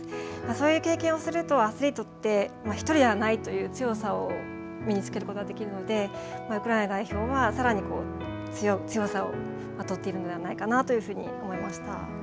そういう経験をするとアスリートって１人ではないという強さを身に着けるができるので、ウクライナ代表はさらに強さをまとっているんではないかと思いました。